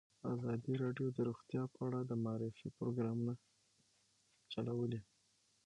ازادي راډیو د روغتیا په اړه د معارفې پروګرامونه چلولي.